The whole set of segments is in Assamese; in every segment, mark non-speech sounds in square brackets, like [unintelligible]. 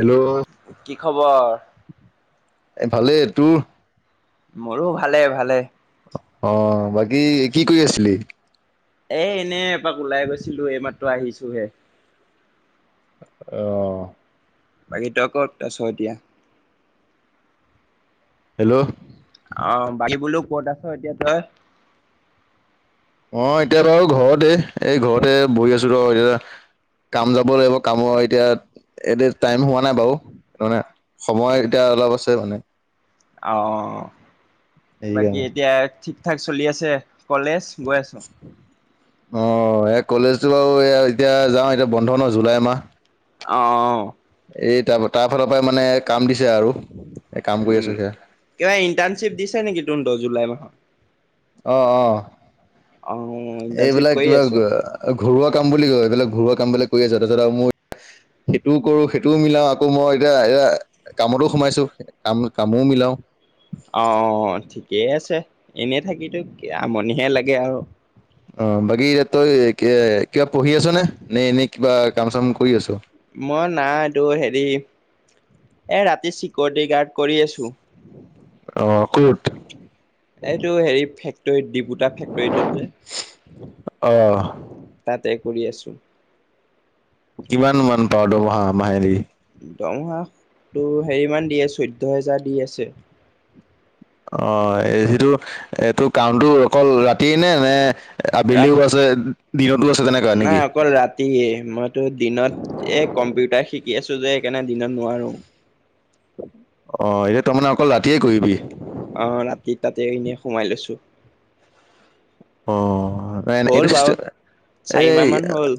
হেল্ল' কি খবৰ? এ ভালেই তোৰ মোৰো ভালে ভালে, অ', বাকী কি কৰি আছিলি? এ, ইনেই এপাক ওলাই গৈছিলো, এইমাত্ৰ আহিছোহে, অ' বাকী, তই ক'ত আছ এতিয়া? হেল্ল' অ', বাকী বোলো ক'ত আছ এতিয়া তই? মই এতিয়া বাৰু ঘৰতে, এই ঘৰতে বহি আছো ৰ এতিয়া, কাম যাব লাগিব, কামৰ এতিয়া এতিয়া টাইম হোৱা নাই বাৰু, মানে সময় এতিয়া অলপ আছে মানে, অ' অ অ, বাকী সেইকাৰণে এতিয়া ঠিক থিক ঠাক চলি আছে, কলেজ গৈ আছ? অ', এই কলেজো আৰু এ এতিয়া যাওঁ এতিয়া বন্ধ ন জুলাই মাহ অ' এই তাৰ তাৰফালৰ পৰাই মানে কাম দিছে আৰু, এ', কাম কৰি উম আছো এতিয়া, কিবা ইণ্টানৰ্শিপ দিছে নেকি তোনহতৰ জুলাই মাহত? অ', অ', অহ ইণ্টাৰ্ণশ্বিপ এইবিলাক কৰি কিবা আছ? এ ঘৰুৱা কাম বুলি কয়, এইবিলাক ঘৰুৱা কাম বিলাক কৰি আছ, তাৰপিছত আৰু মোৰ, সেইটোও কৰো সেইটোও মিলাও, আকৌ মই এতিয়া এয়া, কামতো সোমাইছো, কাম কামো মিলাও, অ'অ অ, ঠিকেই আছে, এনে থাকিতো কি আমনিহে লাগে আৰু, অ', বাকী এতিয়া তই কি কিবা পঢ়ি আছ নে? নে এনে কিবা কাম চাম কৰি আছ? মই নাই টোৰ হেৰি, এই ৰাতি চিকিউৰিটি গাৰ্ড কৰি আছোঁ। অ', কত? এইটো হেৰি ফেক্টৰীত ডিপু দা ফেক্টৰীটোত যে, অ' তাতে কৰি আছোঁ, কিমান মান পাৱ দৰমহা মাহেলি? দৰমহা টো হেৰিমান দিয়ে, চৈধ্য হেজাৰ দি আছে। অ' এ সেইটো তোৰ কামটো অকল ৰাতিয়ে নে, নে ৰাত আবেলিও আছে, দিনতো আছে, তেনেকুৱা নে কি? কি মইতো দিনত এ কম্পিউটাৰ শিকি আছো যে সেইকাৰণে দিনত নোৱাৰো। অ' এতিয়া তই মানে অকল ৰাতিয়ে কৰিবি? অ' ৰাতি তাতে ইনে সোমাই লৈছোঁ অ' প্ৰায় হ'ল এইটো বাৰু চিষ্টেমে চাৰিমাহ এই মান হ'ল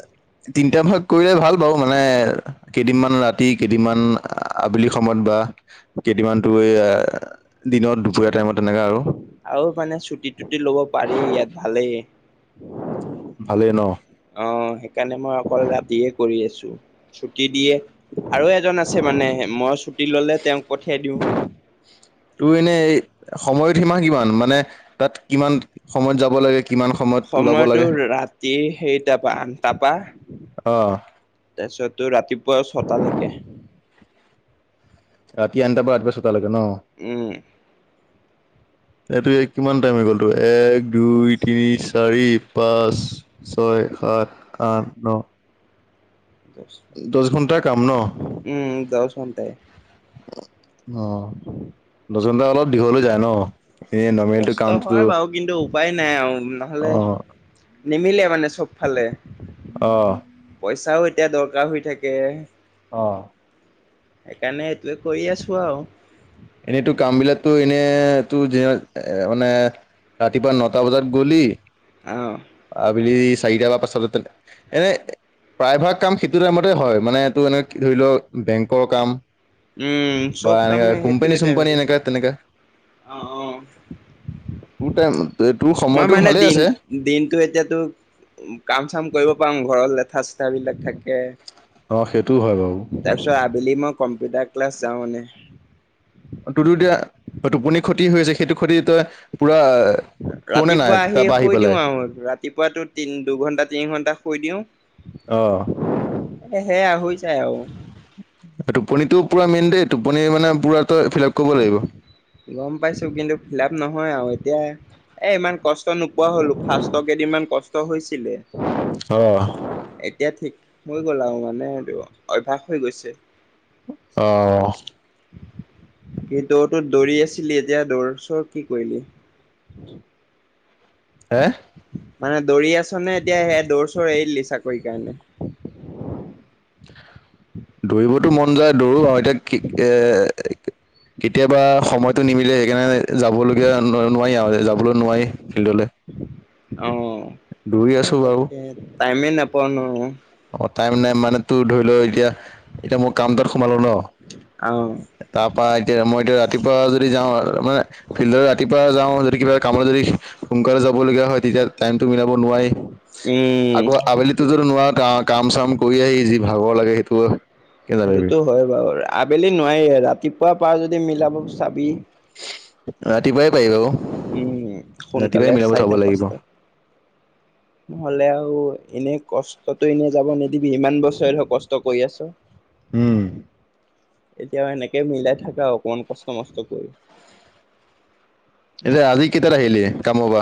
তিনটা ভাগ কৰিলে ভাল বাও মানে কেইদিনমান ৰাতি, কেইদিনমান আবেলি সময়ত বা কেইদিনমান তোৰ এ দিনত দুপৰীয়া টাইমত তেনেকা আৰু আৰু মানে চুটি-তুটি ল'ব পাৰি ইয়াত ভালেই ভালেই ন? অ', সেইকাৰণে মই অকল ৰাতিয়ে কৰি আছোঁ ছুটি দিয়ে, আৰু এজন আছে মানে মই ছুটি ললে তেওঁক পঠিয়াই দিওঁ [inaudible] তোৰ এনেই সময়ত সীমা কিমান, মানে তাত কিমান সময়ত যাব লাগে? কিমান সময়ত ওলাব সময়টো লাগে ৰাতি হেৰিটা পা আঠটা পা অ তাছত তোৰ ৰাতিপুৱা ছটালেকে ৰাতি আনটা পৰা ৰাতিপুৱা ছটা লৈকে ন? উম এইটো এ কিমান টাইম হৈ গ'ল তোৰ এক, দুই, তিনি, চাৰি, পাঁচ, ছয়, সাত, আঠ, ন দশ ঘন্টাৰ কাম ন? উম দহ ঘন্টাই অ দশ ঘন্টা অলপ দীঘল হৈ যায় ন এনে নৰ্মেলটো কষ্ট কামটো হয় বাৰু কিন্তু উপায় নাই আৱ অ নহলে নিমিলেই মানে চবফালে অহ পইচাও এতিয়া দৰকাৰ হৈ থাকে অ সেইকাৰণে এইটোৱে কৰি আছোঁ আৱ এনেতো কাম বিলাকটো এনে তো দিনত এ মানে ৰাতিপুৱা নটা বজাত গলি আহ আবেলি চাৰিটা বা পাচটা বজাত তে এনেই প্ৰায়ভাগ কাম সেইটো টাইমতে হয় মানে এইটো এনে কি ধৰি ল বেংকৰ কাম উম বা চব এনেকা কামে সেইটো কোম্পানী-চোম্পানি টাইমতে এনেকা তেনেকা অ অ তোৰটাইম তোৰ মই সময়টো মানে ভালে দিন আছে দিনটো এতিয়া তোৰ কাম চাম কৰিব পাওঙ ঘৰৰ লেঠা-চেঠা বিলাক থাকে অ সেইটো হয় বাৰু তাৰপিছত আবেলি মই কম্পিউটাৰ ক্লাছ যাওঁ মানে তোৰটো এতিয়া টোপনি ক্ষতি হৈআছে সেইটো ক্ষতি তই পুৰা শুৱনে নাই ৰাতিপুৱা আহি তাৰপা শুই পেলাই দিও আও ৰাতিপুৱাটো তিন দুঘন্টা, তিনি ঘন্টা শুই দিও অ' হে সেয়া হৈ যায় আৱ টোপনটো পুৰা মেইন দেই টোপনি মানে পুৰা তই ফিলাপ কৰিব লাগিব গম পাইছো কিন্তু ফিলাপ নহয় আৱ এতিয়া এ ইমান কষ্ট নোপোৱা হলো ফাৰ্ষ্টৰ কেদিনমান কষ্ট হৈছিলে অহ এতিয়া ঠিক হৈ গ'ল আউ মানে হেটো অভ্যাস হৈ গৈছে অহ কিন্তু তুৰ দৌৰি আছিলি এতিয়া দৌৰ চৌৰ কি কৰিলি হে মানে দৌৰি আছনে এতিয়া সে দৌৰ চৌৰ এৰিলি চাকৰিৰ কাৰণে দৌৰিবতো মন যায় দৌৰো আউ এতিয়া কি এ কেতিয়াবা সময়টো নিমিলে সেইকাৰণে যাবলগীয়া নো নোৱাই আউ যাবলৈ নোৱাই ফিল্ডলে অ। দৌৰি এ আছো বাউ তাকে টাইমে নাপাও ন অ টাইম নাই মানে তোৰ ধৰি ল এতিয়া এতিয়া মোৰ কাম তাত সোমালো ন অ তাৰ পা এতিয়া মই এতিয়া ৰাতিপুৱা যদি যাওঁ মানে ফিল্ডলে ৰাতিপুৱা যাওঁ যদি কিবা কামত যদি সোনকালে যাবলগীয়া হয় তেতিয়া টাইমটো মিলাব নোৱাৰি আকৌ আবেলি তো সেইটোৱে। ধৰ নোৱা কা কাম চাম কৰি আহি যি ভাগৰ লাগে সেইটো কেনেকে পাৰিবি সেইটোতো হয় বাউ আবেলি নোৱাই ৰাতিপুৱা পাৰ যদি মিলাব চাবি ৰাতিপুৱাই পাৰি বাউ উম সোনকালে চাইটা লাগিব পাঁচটা নহলে আউ এনেই কষ্টটো এনে যাব নি দিবি ইমান বছৰে ধৰক কষ্ট কৰি আছ উম এতিয়াও এনেকে মিলাই থাক আউ অকমান কষ্ট মষ্ট কৰি এতিয়া আজি কেইটাত আহিলি কামৰ পা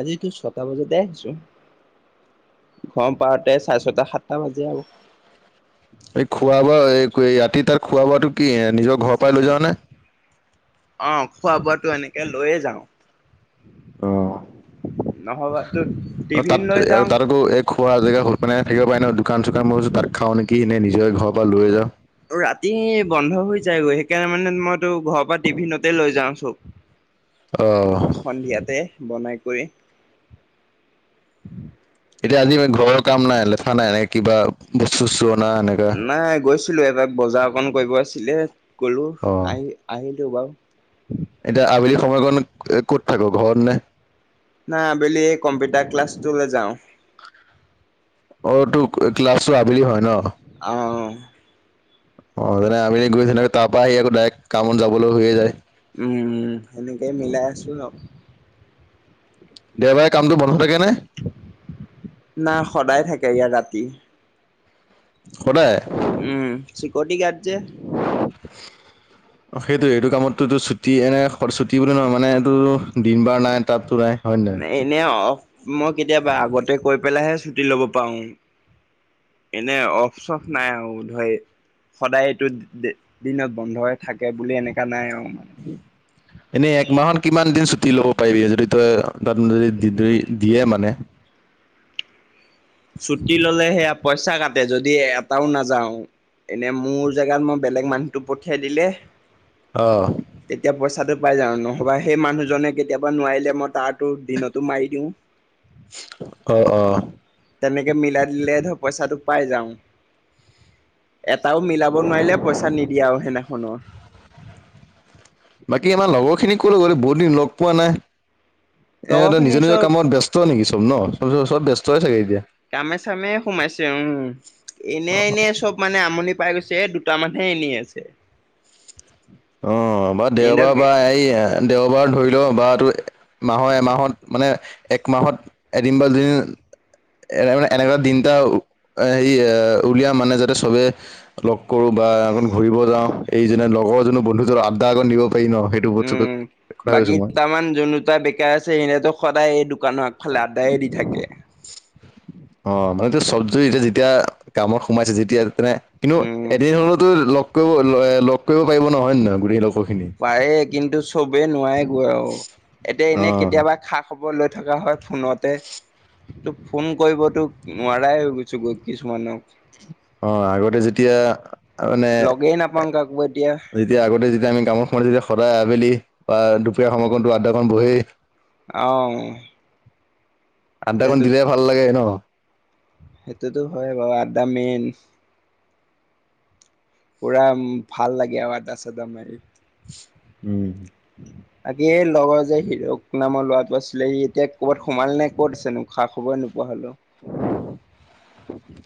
আজিটো ছটা বজাতে আহিছো ফৰ্ম পাওতে‌ চাই ছয়টা সাতটা বাজে আউ এই খোৱা বোৱা এই কৰি ৰাতি তাত খোৱা বোৱাটো কি নিজৰ ঘৰৰ পৰাই লৈ যাৱ নে অ খোৱা বোৱাটো এনেকে লৈয়ে যাওঁ অঁ নহবা তো টিফিন তাত লৈ যাওঁ তাত আকৌ এই খোৱা জেগা [unintelligible] থাকিব পাৰে ন দোকান চোকান [unintelligible] তাত খাৱ নেকি নে নিজৰ ঘৰৰপৰা লৈ যাওঁ আৰু ৰাতি বন্ধ হৈ যায়গৈ সেইকাৰণে মানে মইতো ঘৰৰ পৰা টিফিনতে লৈ যাও চব অ সন্ধিয়াতে বনাই কৰি এতিয়া আজি এ ঘৰৰ কাম নাই লেঠা নাই নে নাই গৈছিলো এপাক বজাৰ অকণ কৰিব আছিলে গলোঁ অ', আহি আহিলোঁ বাউ এতিয়া আবেলি সময়কণ এ ক'ত থাক ঘৰত নে না আবেলি এই কম্পিউটা ক্লাছটোলে যাওঁ অঁ তোৰ ক্লাছটো আবেলি হয় ন অ [unintelligible] তাৰ পৰা আহি আকৌ ডাইৰেক্ট কামত যাবলৈ হৈয়ে যায় উম সেনেকেই মিলাই আছো আউ দেওবাৰে কামটো বন্ধ থাকে নে না সদায় থাকে ইয়াত ৰাতি সদায় উম চিকৰটি গাৰ্ড যে [inaudible] অঁ সেইটোৱে এইটো কামতটোতো ছুটিয়ে নাই ছুটি বুলি নহয় মানে এইটো দিন বাৰ নাই তাততো নাই হয় নাই। এনে অ মই কেতিয়াবা আগতে কৈ পেলাইহে ছুটি ল'ব পাৰোঁ এনেই অফ চফ নাই আৰু ধৰি। সদায় এইটো দিনত বন্ধই থাকে বুলি এনেকুৱা নাই আও। উম। এনেই এক মাহত কিমান দিন ছুটি ল'ব পাৰিবি যদি তই তাত মানে যদি দিয়ে মানে। ছুটি ললে সেয়া পইচা কাটে যদি এটাও নাযাওঁ। এনেই মোৰ জেগাত মই বেলেগ মানুহটো পঠিয়াই দিলে। অহ তেতিয়া পইচাটো পায় যাওঁ নহবা সেই মানুহজনে কেতিয়াবা নোৱাৰিলে মই তাৰতো দিনতো মাৰি দিওঁ। অহ অহ। তেনেকে মিলাই দিলে ধৰ পইছাটো পাই যাওঁ এটাও মিলাব নোৱাৰিলে পইছা নিদিয়ে আও সেইনাখন। বাকী আমাৰ লগৰ খিনি ক'লৈ গ'ল এই বহুত দিন লগ পোৱা নাই। লগৰ এতে খিনি নিজৰ নিজৰ চব কামত ব্যস্ত নেকি চব ন চব চব ব্যস্তই চাগে এতিয়া। কামে চামে সোমাইছে উম এনে অ এনে চব। মানে আমনি পাই গৈছে এ দুটামানহে এনে আছে। অহ বা দেওবাৰ এহঁতক বা এই দেওবাৰ ধৰি লও বা টো মাহৰ এমাহত। মানে এক মাহত এদিন বা দুদিন এটা এনেকুৱা দিনটাএটা উ এ হেৰি এ উলিয়া মানে যাতে চবে লগ কৰোঁ বা অকন ঘূৰিব যাওঁ। এই জনে লগৰ জনো বন্ধু জন আড্ডা অকন দিব পাৰি ন সেই। উম। বাকী দুটামান যোন দুটা বেকাৰ আছে সিহঁতো সদায় এই দোকানৰ আগফালে আড্ডায়ে দি থাকে। অহ মানে ত চব যদি এতিয়া যেতিয়া কামত সোমাইছে যেতিয়া তেনে। কিন্তু এদিন উম হলেওতো লগ কৰিব লগ কৰিব পাৰিব ন হয় নে নহয় গোটেই লগৰখিনি। পাৰে কিন্তু চবেই নোৱাৰেগৈ এতিয়া অ এনেই কেতিয়াবা খা খবৰ লৈ থকা হয়। ফোনতে তো ফোন কৰিবতো নোৱাৰাই হৈ গৈছো গৈ কিছুমানক। অহ আগতে যেতিয়া মানে। লগেই নাপাওঁ কাকো এতিয়া যেতিয়া আগতে যেতিয়া আমি কামত সোমাই দিওঁ তেতিয়া সদায় আবেলি বা দুপৰীয়া খন আড্ডা খন বাবেই। আহু। আড্ডা কণ দিলে ভাল লাগে ন। সেইটোতো হয় বাৰু আড্ডা মেইন। পোৰা উম ভাল লাগে আও আড্ডা চাড্ডা মাৰি। উম বাকী এই লগৰ যে হিৰক নামৰ ল'ৰাটো আছিলে সি এতিয়া ক'ৰবাত সোমাল নে ক'ত আছে নো খা খবৰে নোপোৱা হ'লো।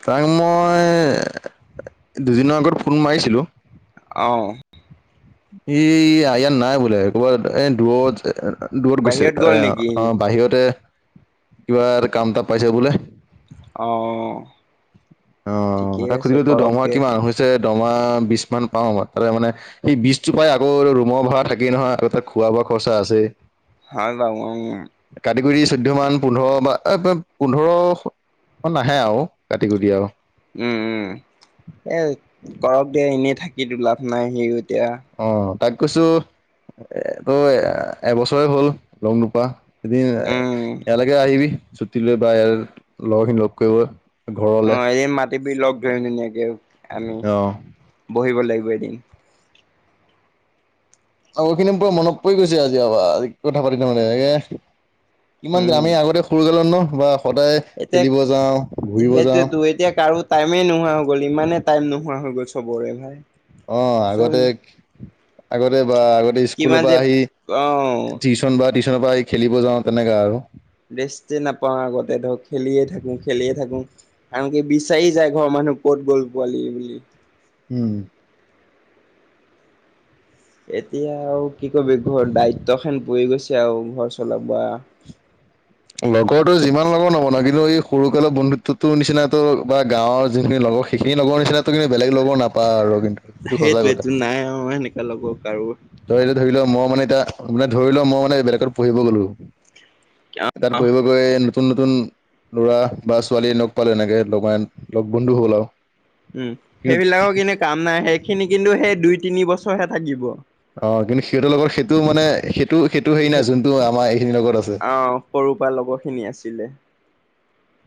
তাকে মই। দুদিনৰ আগত ফোন মাৰিছিলোঁ। অঁহ। সি ইয়াত নাই বোলে ক'ৰবাত এ দূৰত। এ দূৰত গৈছে বাহিৰত গ'ল এ নেকি সি অহ বাহিৰতে কিবা এটা কাম পাইছে বোলে। অহ অহ মই ঠিকেই তাক আছে সুধিলো তো কৰক দৰমহা দে কিমান হৈছে। হৈছে দৰমহা বিচ মান পাওঁ মই তাতে মানে সি বিচ। বিচটো পায় আকৌ ৰুমৰ ভড়া থাকেইে নহয় আকৌ তাত খোৱা বোৱা খৰচা আছেই। হয় বাও উম। কাটি গুৰি চৈধ্য মান পোন্ধৰ বা এ পোন্ধৰ। নাহে আৰু কাটি- কুটি আৰু। উম উম, এ' ঘৰত দে এনেই থাকি লাভ নাই সিও এতিয়া অ' তাক কৈছো তো এ এবছৰে হ'ল লগ নোপোৱা। এদিন উম ইয়ালৈকে আহিবি ছুটি লৈ বা ইয়াৰ লগৰখিনি লগ কৰিব। ঘৰলে অ' এদিন মাট বি লগ ধৰি ধুনীয়াকে আমি অ' বহিব লাগিব এদিন। আৰু সখিনি পূৰা মনত পৰি গৈছে আজি কথা পাতি থ মানে [unintelligible] কিমান দিন উম আমি আগতে সৰু কালত ন বা সদায় এতিয়া খেলিব যাওঁ ঘূৰিব যাওঁ সেইটোয়েতো এতিয়া কাৰো টাইমে নোহোৱা হৈ গ'ল, ইমানেই টাইম নোহোৱা হৈ গ'ল চবৰে ভাই। অ' চব আগতে- আগতে বা আগতে স্কুলৰ কিমান পৰা যে আহি উ অ টিউচনৰ পৰা আহি খেলিব যাওঁ তেনেকা আৰু। ৰেষ্টে নাপাওঁ আগতে ধৰ, খেলিয়ে থাকো খেলিয়ে থাকো। কাৰন কি বিচাৰি যায় ঘৰৰ মানুহ ক'ত গ'ল পোৱালি বুলি। উম। এতিয়া আৰু কি কৰিবি ঘৰ দায়িত্ব খন পৰি গৈছে আৰু ঘৰ চলাব। লগৰটো যিমান লগৰ নবনাও কিন্তু এই সৰুকালৰ বন্ধুত্বো নিচিনাতো বা গাঁৱৰ যেনেকৈ লগৰ সেইখিনি লগৰ নিচিনাতটো বেলেগ লগৰ না সেইটোৱেটো নাই আৰু সেনেকা লগৰ কাৰো। ধৰিতিয়া ধৰি লও মই মানে এতিয়া মানে ধৰি লও মই মানে বেলেগত পঢ়িব গলো। তাত অ পঢ়িব গৈ নতুন- নতুন লৰা বা ছোৱালী লগ পালো এনেকে লগাই উম, কিন্তু সেইবিলাকৰ খিনি কাম নাই সেই হেই খিনি কিন্তু সেই দুই তিনি বছৰ হে থাকিব। অ' কিন্তু সিহঁতৰ লগত সেইটো মানে সেইটো সেইটো হেৰি নাই যোনটো আমাৰ এইখিনিৰ লগত আছে। অ সৰুৰ পৰা লগৰখিনি আছিলে।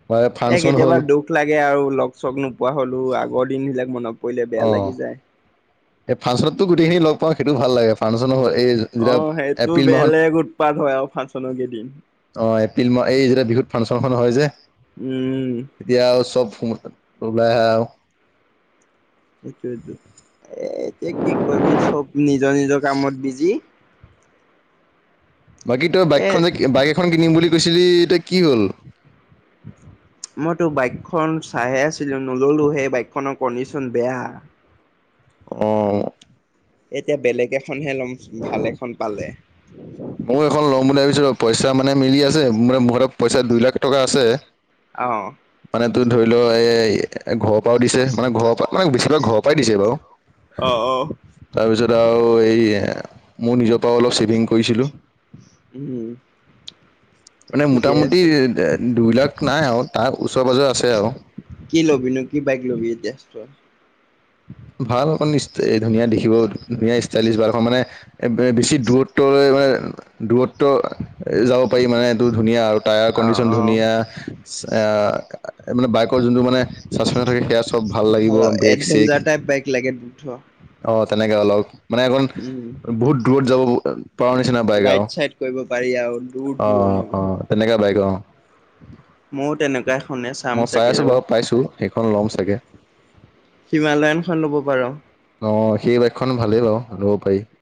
বা এ' ফাংচন কেতিয়াবা হ'ল দুখ লাগে আৰু লগ- চগ নোপোৱা হলো আগৰ দিন সিলাক মনত পৰিলে বেয়া লাগি যায়। এ' ফাংচনতো গোটেইিন লগ পাওঁ সেইটো ভাল লাগোংনো হয়। অ' সেইটো বেলেগ উৎপাত হয় আৰু ফাংচন কেইদিন। অ' এপ্ৰিল মাহ এই যেতিয়া বিহুত ফাংচনখন হয় যে। উম। এতিয়া আৰু চব সম ওলাই আহে আৰু। সটোটো এ' এতিয়া কি কবি চব নিজৰ- নিজৰ কামত বিজি। বাকী তই এ বাইকখন যে বাইক এখন কিনিম বুলি কৈছিলি এই কি হ'ল? মইতো বাইকখন চাইহে আছিলো নললো সেই বাইক খনৰ কণ্ডিচন বেয়া। অঁ। এতিয়া বেলেগ এখনহে লম ভাল এখন পালে। মই এখন ল'ম বুলি ভাবিছো পইচা মানে মিলি আছে মোৰ হাতত পইচা দুই লাখ টকা আছে। অঁ। মানে তো ধৰি লও এ' ঘৰৰ পৰাও দিছে মানে ঘৰৰ পৰা মানে বেছিভাগ ঘৰৰ পৰাই দিছে বাৰু। অ অ তাৰপিছত আৰু এই মোৰ নিজৰ পৰা অলপ ছেভিং কৰিছিলোঁ। উম। মানে ঠিকে মোটামুটি আছে দুই লাখ নাই আৰু তাৰ ওচৰ পাজৰে আছে আৰু। কি ল'বিনো কি বাইক ল'বি এতিয়া তই? ভাল অকণ ধুনীয়া দেখিব ধুনীয়া ষ্টাইলিছ বা এখন মানে বেছি দূৰত্বলৈ মানে দূৰত্ব যাব পাৰি মানে এইটো ধুনীয়া আৰু অ কণ্ডিচন অ ধুনীয়া চা এ মানে বাইকৰ যোনটো মানে চাচপেঞ্চন থাকে সেয়া চব ভাল লাগিব ব্ৰেক চেক টাইপ বাইক লাগে অ তেনেকে অলক মানে অকণ উম বহুত দূৰত যাব পাৰৰ নিচিনা বাইক আৰু ৰাইট চাইড কৰিব পাৰি আৰু দূৰ অ দূৰণি অ তেনেকা বাইক অ ময়ও তেনেকুৱা এখনে চাম মই চাই চাগে আছো ৰ বাৰু পাইছো সেইখন ল'ম চাগে হিমালয়নখন ল'ব পাৰ অ সেই বাইকখন ভালেই বাৰু লব পাৰি